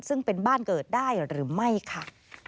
ซึ่งเป็นบ้านเกิดได้หรือไม่ค่ะ